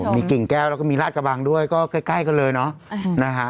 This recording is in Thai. มีกิ่งแก้วแล้วก็มีลาดกระบังด้วยก็ใกล้กันเลยเนาะนะฮะ